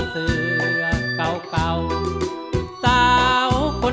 ช่วยเพลงที่เราสรุป